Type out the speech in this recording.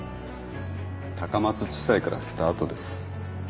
高松地裁からスタートです。